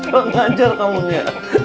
kamu nganjar kamunya